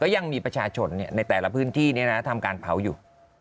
พยาวน์ก็ยังมีประชาชนในแต่ละพื้นที่นี้นะทำการเผาอยู่